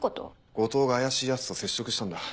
後藤が怪しいヤツと接触したんだ。